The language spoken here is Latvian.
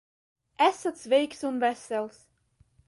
Esat sveiks un vesels?